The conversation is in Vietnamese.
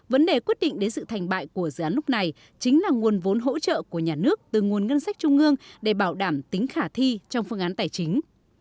vấn đề quyết định đến sự thành bại của dự án lúc này chính là nguồn vốn hỗ trợ của nhà nước từ nguồn ngân sách trung ương để bảo đảm tính khả thi trong phương án tài chính